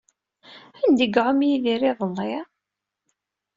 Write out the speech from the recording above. Anda ay iɛum Yidir iḍelli?